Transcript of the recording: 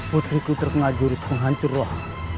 putriku terkena jurus menghancur roh